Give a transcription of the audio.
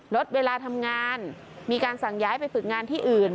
ลดเวลาทำงานมีการสั่งย้ายไปฝึกงานที่อื่น